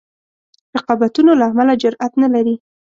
رقابتونو له امله جرأت نه لري.